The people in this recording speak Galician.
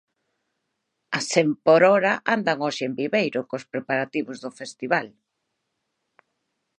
A cen por hora andan hoxe en Viveiro cos preparativos do festival.